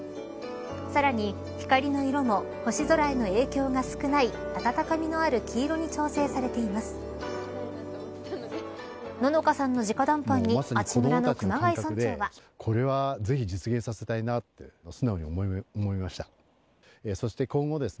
さらに、光の色も星空への影響が少ない温かみのある黄色に調整されています。